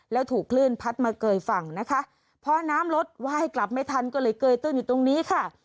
แล้วถูกคลื่นพัดมาเกยฝั่งนะคะพอน้ำลดไหว้กลับไม่ทันก็เลยเกยตื้นอยู่ตรงนี้ค่ะ